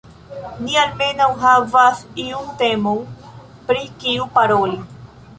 Ni almenaŭ havas iun temon, pri kiu paroli.